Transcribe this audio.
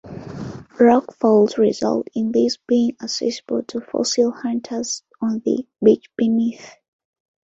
Rockfalls result in these being accessible to fossil hunters on the beach beneath.